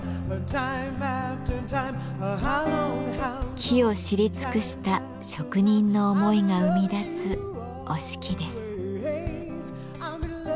木を知り尽くした職人の思いが生み出す折敷です。